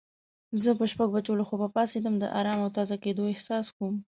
زه په شپږ بجو له خوبه پاڅیدم د آرام او تازه کیدو احساس کوم.